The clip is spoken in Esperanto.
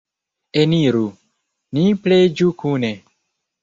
Eniru, ni preĝu kune!